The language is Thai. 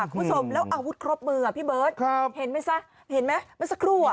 คุณผู้ชมแล้วอาวุธครบมืออ่ะพี่เบิร์ตเห็นไหมซะเห็นไหมเมื่อสักครู่อ่ะ